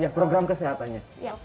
ya program kesehatannya